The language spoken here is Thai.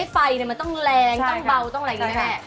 ไฟมันต้องแรงต้องเบาต้องอะไรกันแน่